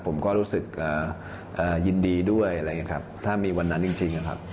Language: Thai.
ผมก็รู้สึกยินดีด้วยอะไรอย่างนี้ครับถ้ามีวันนั้นจริงนะครับ